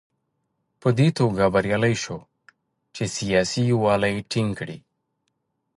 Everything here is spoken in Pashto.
په دې توګه بریالی شو چې سیاسي یووالی ټینګ کړي.